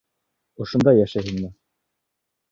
Ошонда йәшәйһеңме?